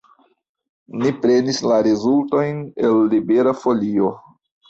Ni prenis la rezultojn el Libera Folio.